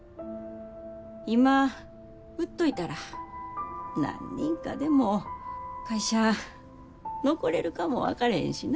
今売っといたら何人かでも会社残れるかも分かれへんしな。